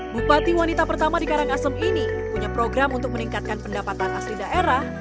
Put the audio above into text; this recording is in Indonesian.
bupati wanita pertama di karangasem ini punya program untuk meningkatkan pendapatan asli daerah